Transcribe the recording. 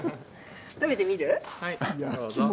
食べてみる。